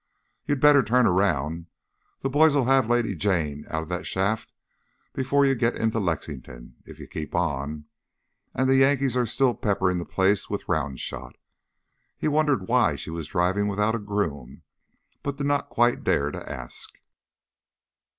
"You'd better turn around. The boys'll have Lady Jane out of the shaft before you get into Lexington if you keep on. And the Yankees are still pepperin' the place with round shot." He wondered why she was driving without a groom, but did not quite dare to ask.